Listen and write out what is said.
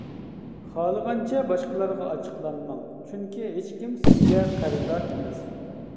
خالىغانچە باشقىلارغا ئاچچىقلانماڭ، چۈنكى ھېچكىم سىزگە قەرزدار ئەمەس.